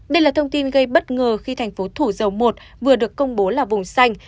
đây là thông tin gây bất ngờ khi thành phố thủ dầu một vừa được công bố là vùng xanh